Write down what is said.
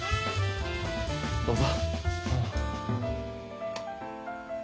どうぞ。